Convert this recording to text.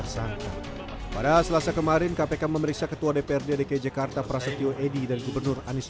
sangka pada selasa kemarin kpk memeriksa ketua dprd dki jakarta prasetyo edy dan gubernur anies